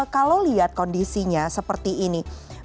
kalau lihat kondisinya seperti ini